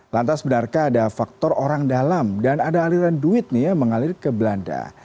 lantas benarkah ada faktor orang dalam dan ada aliran duit nih yang mengalir ke belanda